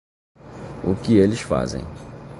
O que eles fazem